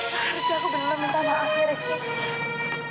harusnya aku bener bener minta maaf ya rizky